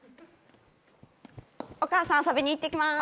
お母さん遊びに行ってきます。